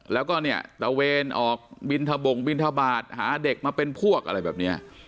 แล้วก็เนี่ยตะเวนออกบินทะบงบินทบาทหาเด็กมาเป็นพวกอะไรแบบนี้